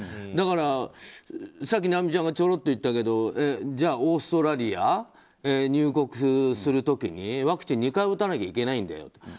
だから、さっき尚美ちゃんがちょろっと言ったけどオーストラリア入国する時にワクチンを２回打たなくちゃいけないと。